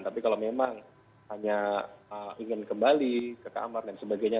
tapi kalau memang hanya ingin kembali ke kamar dan sebagainya